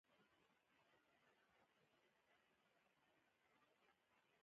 ازادي راډیو د ټرافیکي ستونزې په اړه د سیمینارونو راپورونه ورکړي.